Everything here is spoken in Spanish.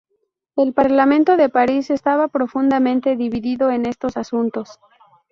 El Parlamento de París estaba profundamente dividido en estos asuntos.